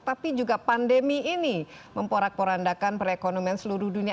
tapi juga pandemi ini memporak porandakan perekonomian seluruh dunia